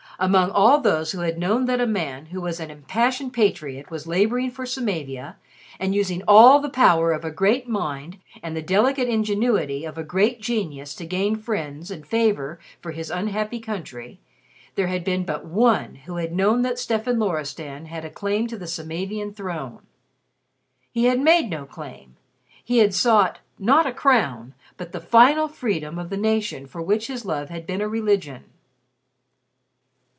Among all those who had known that a man who was an impassioned patriot was laboring for Samavia, and using all the power of a great mind and the delicate ingenuity of a great genius to gain friends and favor for his unhappy country, there had been but one who had known that Stefan Loristan had a claim to the Samavian throne. He had made no claim, he had sought not a crown but the final freedom of the nation for which his love had been a religion.